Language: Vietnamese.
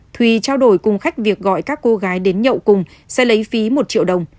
thùy trao đổi cùng khách việc gọi các cô gái đến nhậu cùng sẽ lấy phí một triệu đồng